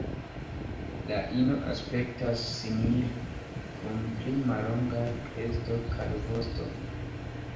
La ino aspektas simile, kun pli mallongaj kresto kaj vosto.